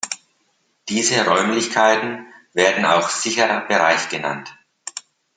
Diese Räumlichkeiten werden auch "sicherer Bereich" genannt.